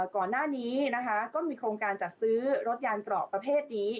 ก่อนหน้านี้นะคะก็มีโครงการจัดซื้อรถยานเกราะประเภทนี้